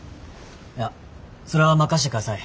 いやそれは任してください。